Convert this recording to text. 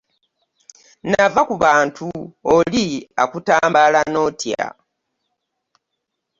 Nava ku bantu, oli akutambala n'otya.